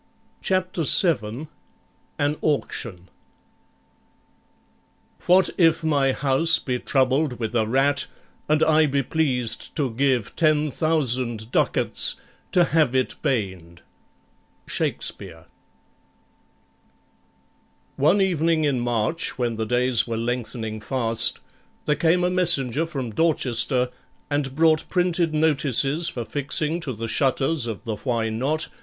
CHAPTER 7 AN AUCTION What if my house be troubled with a rat, And I be pleased to give ten thousand ducats To have it baned Shakespeare One evening in March, when the days were lengthening fast, there came a messenger from Dorchester, and brought printed notices for fixing to the shutters of the Why Not?